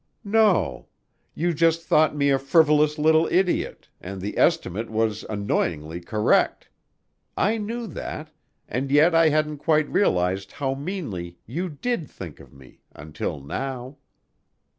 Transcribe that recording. "No. You just thought me a frivolous little idiot, and the estimate was annoyingly correct. I knew that and yet I hadn't quite realized how meanly you did think of me until now."